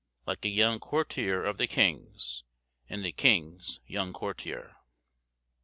Like a young courtier of the king's, And the king's young courtier."